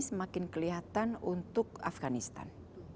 semakin kelihatan untuk afganistan